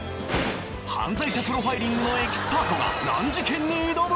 犯罪者プロファイリングのエキスパートが難事件に挑む！